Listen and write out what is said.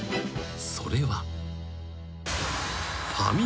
それは］